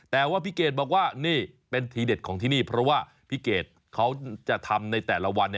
แต่ว่าพี่เกดบอกว่านี่เป็นทีเด็ดของที่นี่เพราะว่าพี่เกดเขาจะทำในแต่ละวัน